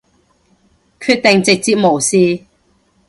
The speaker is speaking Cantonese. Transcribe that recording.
決定直接無視